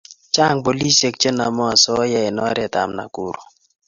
chang polishek che name osoya en oret ab Nakuru